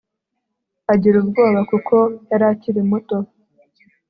agira ubwoba kuko yari akiri muto